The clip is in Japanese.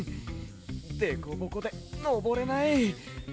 デコボコでのぼれない。